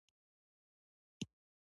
اوږده غرونه د افغانستان د اقتصاد برخه ده.